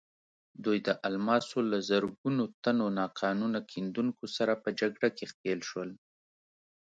دوی د الماسو له زرګونو تنو ناقانونه کیندونکو سره په جګړه کې ښکېل شول.